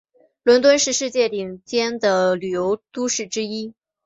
伦敦是世界顶尖的旅游都市之一。